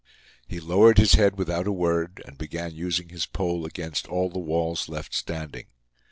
He lowered his head without a word, and began using his pole against all the walls left standing.